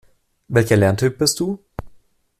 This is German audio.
Welcher Lerntyp bist du?